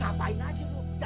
ngapain aja tuh